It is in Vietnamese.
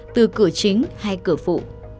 từ cửa chính hay cửa phụ